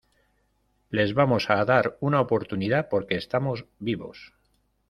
les vamos a dar una oportunidad porque estamos vivos